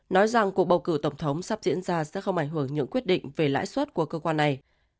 nói rằng cuộc bầu cử tổng thống sắp diễn ra sẽ không ảnh hưởng những quyết định về lãi suất của cơ quan này